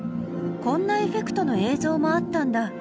こんなエフェクトの映像もあったんだ。